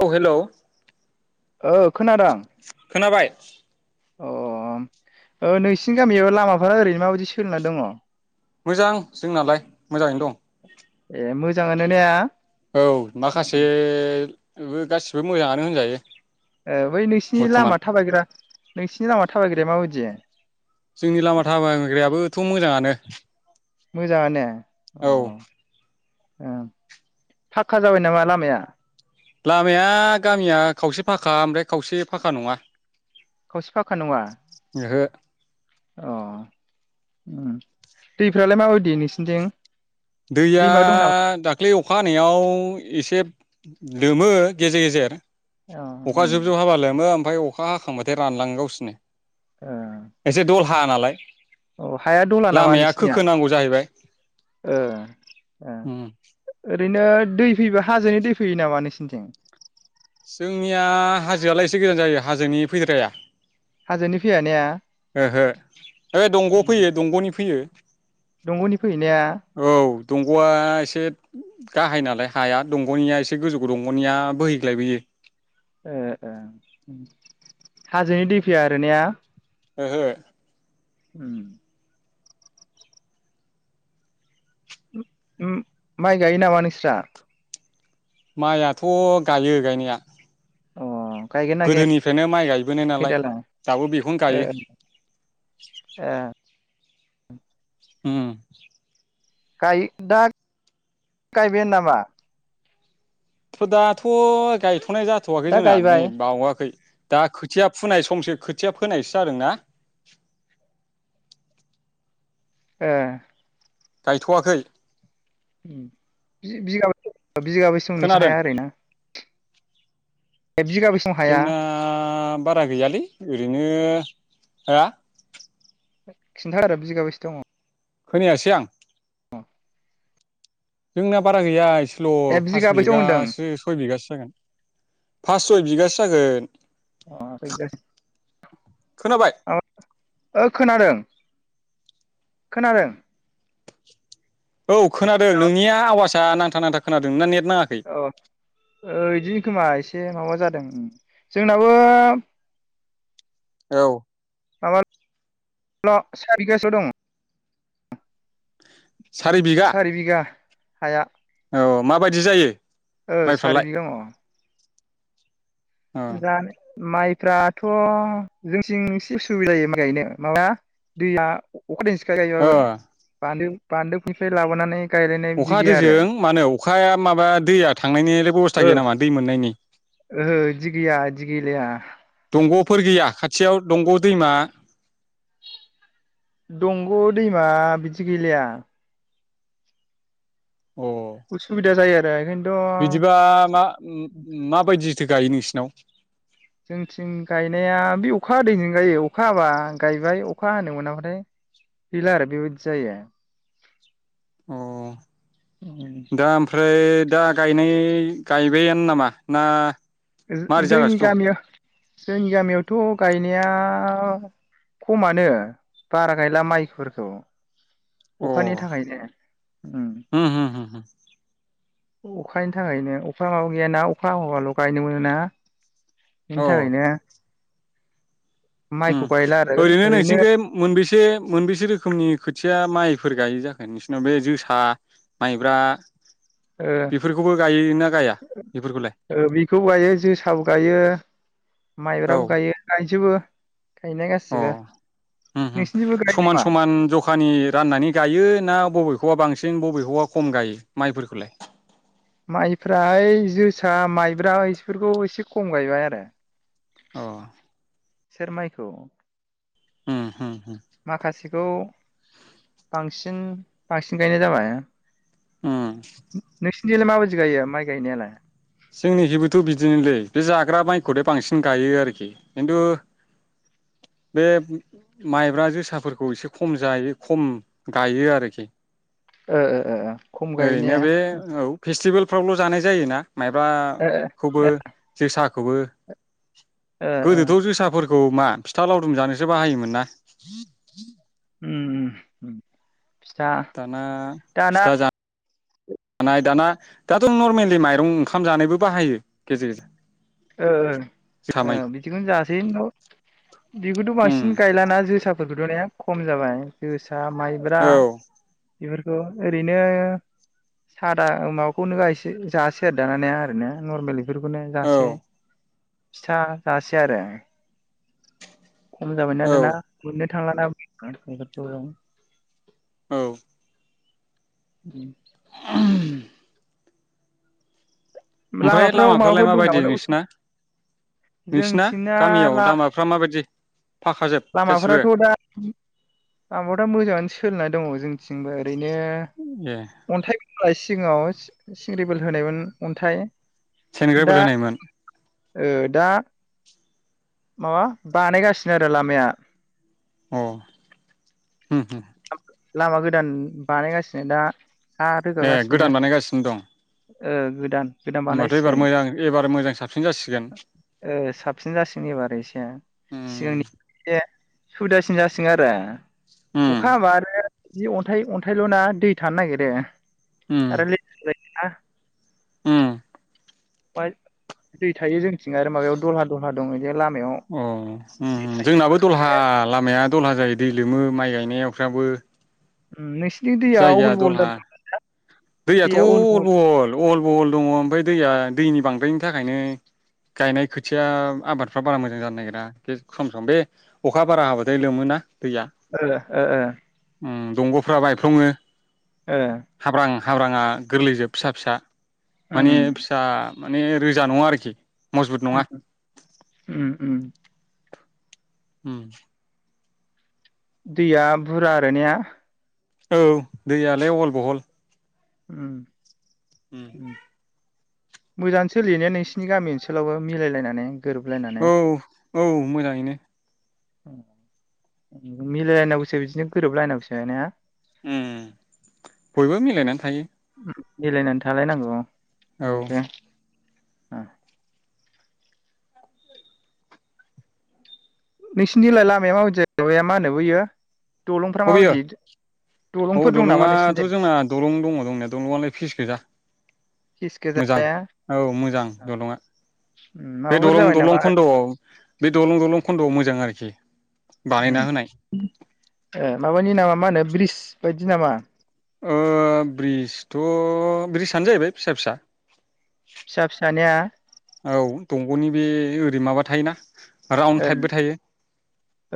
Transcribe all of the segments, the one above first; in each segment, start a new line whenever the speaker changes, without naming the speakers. औ हेलौ।
औ खोनादां। अ ओ नोंसिनि गामियाव लामाफोरा ओरैनो माबायदि सोलिना दङ।
मोजां जोंनालाय मोजाङैनो दं।
ए मोजाङानो ने
औ माखासे बेबो गासिबो मोजाङानो होनजायो।
ए बै नोंसिनि
बर्थमान
लामा थाबायग्रा नोंसिनि लमा थाबायग्राया माबायदि?
जोंनि लामा थाबायग्रायाबोथ' मोजाङानो।
मोजाङा नो।
औ।
फाक्का जाबाय नामा लामाया।
लामाया गामिया खावसे फाखा ओमफ्राय खावसे फाखा नङा।
खावसे फाखा नङा।
ओहो
अ दैफ्रालाय माबायदि नोंसोरनिथिं
दैया दाख्लै अखा हानायाव एसे लोमो गेजेर गेजेर
अ
अखा
उम
जुबजुब हाबालोमो। ओमफ्राय अखा हाखांबाथाय रानलाङो गावसिनो।
ओ
एसे दलहा नालाय
अ हाया दला नामा
लामाया
नोंसिनिया
खोखोनांगौ जाहैबाय।
ओ ओ ओरैनो दै फैबा हाजोनि दै फैयो नामा नोंसोरनिथिं?
जोंनिया हाजोआलाय एसे गोजान जायो हाजोनि फैद्राया।
हाजोनि फैया ने?
ओहो ओ दंग' फैयो दंग'नि फैयो।
दंग'नि फैयोना?
औ दंग'आ एसे गाहाय नालाय हाया दंग'निया एसे गोजौबो दंग'निया बोहैग्लायबोयो।
ए हाजोनि दै फैया आरो ने?
ओहो।
ओम। माइ गायो नामा नोंस्रा?
माइयाथ' गायो गायनाया।
अ। गायगोन ना
गोदोनिफ्रायनो माइ गायबोनाय
गायाखै
नालाय
दालाय
दाबो बेखौनो
ओ
गायो।
ओ
ओम।
गाय दा गायबायानो नामा?
थ' दा थ' गायथ'नाय जाथ'वाखै
दा
जोंना नै
गायबाय
बावाखै। दा खोथिया फोननाय समसो खोथिया फोनायसो जादों ना।
ए
गायथ'वाखै
बि बिगा ब बिगाबै संनि
खोनादों
हाया आरो।
जोंना बारा गैयालै ओरैनो हो
खिथा आऱ बिगाबैसे दङ।
खोनायासै आं जोंना बारा गैया
ए
ल
बिगाबैसो दं होनदों
फासबिगासो सयबिगासो फास सय बिगासो जागोन।
अ सय बिगासो।
खोनाबाय
अ ओ खोनादों खोनादों
[inaudible] औ खोनादों नोंनिया आवाज दा नांथा-नांथा खोनादों नोंना नेट नाङाखै
औ ओह इदिनो खोमा एसे माबा जाद उम-उम जोंनाबो
औ
माबाल' सार बिगासो दं सारि बिघा हाया
औ माबायदि जायो?
ओह सारि
माइफ्रालाय
बिघा माव
ओ
[unintelligible] माइफ्राथ' जोंथिं एसे उसुबिदा जायो माइ गायनो माबाया दैया
ओ
[unintelligible] बान्दोनिफाय लाबोनानै गायलायनाय बिदि
अखा
गैया आरो
दैजों मानो अखाया माबाया दैया थांनायनिलाय बेबस्था
ओ
गैया नामा दै मोननायनि
ओहो बिदि गैया इदि गैलाया
दंग'फोर गैया खाथियाव दंग' दैमा?
दंग' दैमा बिदि गैलाया
अ
उसुबिदा जायो आर [unintelligible]
बिदिबा मा उम-उम माबायदि थो गायो नोंसोरनाव?
जोंनिथिं गायनाया बे अखा हादैजोंनो गायो अखा हाबा गायबाय अखा हानो मोनाबाथाय गैला आरो बेबायदि जायो।
उम दा ओमफ्राय दा गायनाय गायबायानो नामा ना
ओहो
मारै
जोंनि
जागासिनो दं
गामिया जोंनि गामियावथ' गायनाया खमानो बारा गायला माइफोरखौ।
अ
अखानि थाखायनो उम
होम होम होम होम
अखानि थाखायनो अखाया माबा गैयाना अखा हाबाल' बायनो मोना? बिनि थाखायनो माइखौ गायला आरो
उम ओरैनो नोंसिनिखै मोनबेसे-मोनबेसे रोखोमनि खोथिया माइ फोर गायो जाखो नोंसोरनाव बे जोसा माइब्रा
ओ
बेफोरखौबो गायोना गाया बेफोरखौलाय
ओ बेखौ गायो जोसाबो गायो
औ
माइब्राबो गायो गायजुबो।
अ उम उम
नोंसिनिथिंबो गायो
समान
नामा
समान जखानि राननानै गायो ना बबेखौबा बांसिन बबे खम गायो माइफोरखौलाय?
माइफ्राहाय जोसा माइब्रा इफोरखौ एसे खम गायबाय आरो।
औ
सेेरमाइखौ
उम उम
माखासेखौ बांसिन बांसिन गायनाय जाबाय नोंसि थिंलाय माबायदि गायो माइ गायनायालाय?
जोंनिखेबोथ' बिदिनोलै बे जाग्रा माइखौथ बांसिन गायो आरोखि खिन्थु बे माइब्रा जोसाफोरखौ एसे खम जायो खम गायो आरोखि।
ओ ओ ओ ओ खम गायोने।
फ्रावल' जानाय जायो ना। माइब्राखौबो
ओ
जोसा खौबो
ओ ओ
गोदोथ' जोसाफोर खौ मा फिथा लावदुम जानोसो बाहायोमोन ना।
उम उम। फिथा
दाना
दाना
फिथा जा दाना दाथ' नरमेलि माइरं ओंखाम जानायबो बाहायो गेजेर गेजेर।
ओ ओ
जोसा
ओ
माइखौ
बिदिखौनो जा [inaudible] बेखौथ'
उम
बांसिन गायलाना जोसाफोरखौथ'ना खम जाबाय जोसा सा माइब्रा
औ
बेफोरखौ ओरैनो सादा माबाखौनो गायसै जासै आरो दाना ने आरोना नरमेलि बेफोरखौनो
औ
जासे फिथा जासे आरो खम जाबायना
औ
दाना मोननो [inaudible]
औ
बि
ओमफ्राय
लामाफ्राव
लामाफ्रालाय
माबाफोर दं
माबायदि
नामा नों
नोंसिना नोंसिना
जोंथिंना
गामियाव
ला
लामाफ्रा माबायदि फाखाजोब गासिबो
लामाफोराथ' दा लामा मोजाङानो सोलिनानै दङ जोंथिंबो ने
ए
अन्थाइ ब एसे सिङाव सिंग्रिबिल होनायमोन अन्थाय
सेनग्रायाबोलो होनायमोन
ओ दा माबा बानायगासिनो आरो लामाया
अ ओम-ओम
लामा गोदान बानायगासिनो दा हा
ए
रोगागासिनो
गोदान बानायगासिनो दं
ओ गोदान गोदान
होमबाथ' एबार
बानायसिगोन
मोजां एबार मोजां साबसिन जासिगोन
साबसिन जासिगोन एबार एसे
उम
सिगांनि एसे सुबिदासिन जासिगोन आरो
उम
अखा हाबा आरो बे अन्थाइ अन्थाइल' ना दै थानो नागिरो
उम
आरो [unintelligible] [unintelligible]
उम
ओफ्राय दै थायो जोंथिं आरो माबायाव दलहा -दलहा दं लामायाव
अ ओ
दै थायो
जोंनाबो दलहा
बे
लामाया दलहा जायो दै लोमो माइ गायनायावफ्राबो
ओमलै
जायगाया दलहा दैयाथ'
दैया अहल
अल बहल अल बहल दङ ओमफ्राय दैया दैनि बांद्रायनि थाखायनो गायनाय खोथिया आबादफ्रा बारा मोजां जानो नागिरा सम-सम बे अखा बारा हाबाथाय लोमोना दैया
ओ-ओ
ओम दंग'फ्राब बाय खुङो
ओ
हाब्राआ गोरलैजोब फिसा फिसा माने
उम
फिसा माने रोजा नङा आरोखि। मजबुत
उ
नङा
उओश उम उम
उम
दैया बुरजा आरो ने?
औ दैयालाय अहल बहल।
ओं
उम
उ मोजां सोलिनाया नोंसिनि गामि ओनसोलावबो मिलायलायनानै। गोरोबलायनानै
औ औ मोजाङैनो।
मिलायलायनांगौसो बिदिनो गोरोबलायनांगौसो ने।
ओम बयबो मिलायनानै थायो।
मिलायनानै थालायनांगौ।
औ
ओ दे। ओ नोंसिथिलाय लामाया माबादि माबाया मा होनोबो बियो
अबेयो औ
दं नामा
दलंङाथ'
नोंसिनिजों
जोंना दलं दङ दंनाय दलंआलाय फिस गोजा
फिस
मोजां
गोजाया
औ मोजां दलंङा बे
माबाफोर
दलं
जाबाय
दलं
नामा
खन्द'आव बे दलं दलं खन्द'आव मोजां आरोखि।
उम
बानायना होनाय।
ए माबानि नामा मा होनो ब्रिज बायदि नामा?
ओ ब्रिजथ' ब्रिजआनो जाहैबाय फिसा फिसा।
फिसा फिसानिया
औ दंग'नि बे ओरै माबा थायोना। राउन्ड
ओ
टाइपबो थायो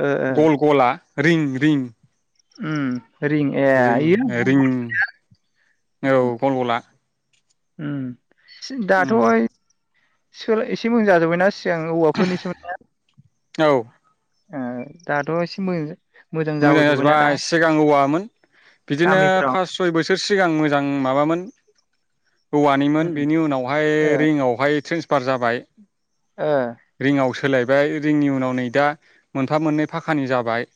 ओ ओ
गल गला। रिं रिं
उम रिं ए
रिं
इयो
रिं
उम
औ गल गला।
उम दाथ'
उम
ओय सोर एसे मोजां जाजोबबायना। सिगां औवाफोरनि सोमोन
औ
ना। ओ दाथ' एसे मोजां।
मोजां
जाबोजोब्बायना दा
जाजोबबाय सिगां औवामोन बिदिनो
गामिफ्राव
फास सय बोस सोर सिगां मोजां माबामोन। औवानिमोन
उम
बेनि उनावहाय
ओ
रिंआवहाय ट्रेन्स पार जाबाय
ओ
रिंङाव सोलाय [unintelligible] रिंनि उनाव नै दा मोनफा मोननै फाखानि जाबाय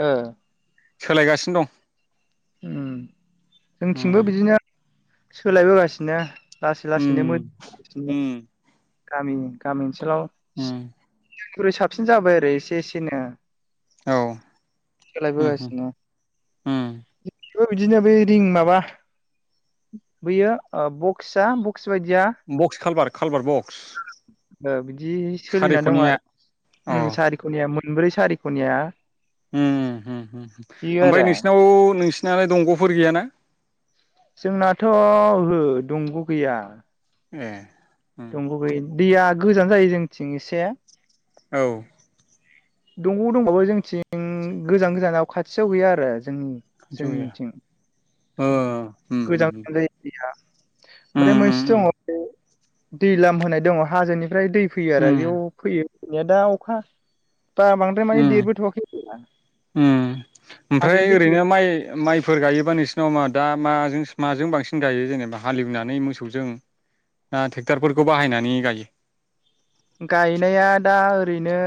ओ
सोलायगासिनो दं
उम जोंथिंबो
दं
बिदिनो सोलायबोगासिनो लासै
उम -उम उम
गामिनि गामि ओनस [unintelligible] सोलाव सिगांनिख्रुय साबसिन जाबाय आरो एसे एसेनो
औ उम हम
सोलायबोगासिनो
उम
ओ बिदिनो बे रिं माबा बैयो ओ बक्सआ [unintelligible] [unintelligible] बादिया
बक्स कालबार कालबार बक्स
ओ बिदि सोलिना दं
सारिख'निया
आरो
अ
उम सारिखनिया मो [unintelligible] ब्रै सारिख'नियाया
उम हम हम ओमफाय नोंसिनाव नोंस नालाय दंग'फोर गैयाना?
जोंनाथ' होओ दंग' गैया
ए उम
दंग' गोयिन दैया गोजान जायो जोंनिथिं एसे
औ
दंग' दंबाबो जोंथिं गोजां गोजानाव खाथियाव गैया आरो जोंनि
खाथियाव गैया
जोंनिथिं
ओ उम
गोजा
उम
जायो [unintelligible] ओमफ्राय
उम
मोनसे
उम
दंङ' दै लाम होनाय दङ' हाजोनि फ्राय दै फैयो आरो
उम
बेयाव फैयो ने दा अखा बा बांद्राय माने
उम
देरबोथ'वाखै
उम
हाजोनि
ओमफ्राय
दैखौ
ओरैनो माइ माइ फोर गायोबा नोंसिनाव मा दा माजोंस माजों बांसिन गायो जेनेबा हालेवनानै मोसौजों ना थेक्ट'रफोरखौ बाहायनानै गायो?
गायनाया दा ओरैनो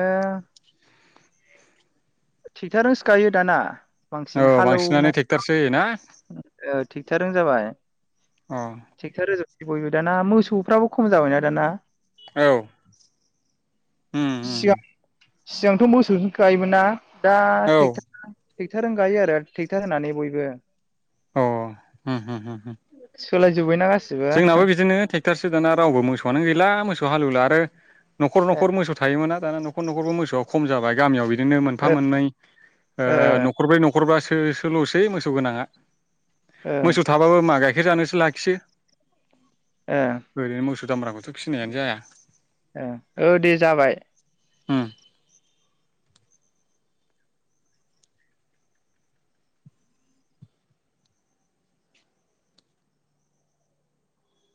ओ थिक्थारस गायो दाना बांसिन
औ बांसिनानो
हालौनाय
ट्रेक्टरसो होयोना
[unintelligible] ओ थिगथारों जाबाय
अ
थिगथार रोजोब बयबो दाना मोसौफ्राबो खम जाबायना दाना
औ उम उम
सिया सिगांथ' मोसौजों गायोमोन ना? दा
औ
थिक थाक टेक्टारजों गायो आरो टेक्टार होनानै बयबो।
अ अहम हमहम।
सोलायजोबायना गासि
जोंनाबो बिदिनो टे टारस दाना रावबो मोसौआनो गैला मोसौ हालौवला आरो न'खर न'खर मोसौ थायोमोना दाना न'खर न'खर मोसौवा खम जाबाय गामियाव बिद दिनो मोनफा
ओ
मोननै ओ न'खरब्रै न' हखरबा सोल'सै मोसौ गोनाङा।
ओ
मोसौ थाबाबो मा गाइखेर जानोस लाखियो। ओरोनो मोस दामब्राखौथ' फिनायानो जाया।
औ दे जाबाय।
ओम